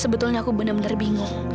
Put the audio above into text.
sebetulnya aku benar benar bingung